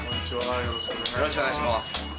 よろしくお願いします。